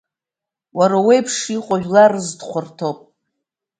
Уара уеиԥш иҟоу жәлар рзы дхәарҭоуп.